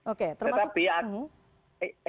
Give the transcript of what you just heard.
oke termasuk apa ini